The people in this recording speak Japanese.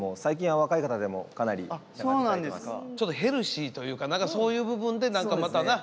ちょっとヘルシーというかそういう部分で何かまた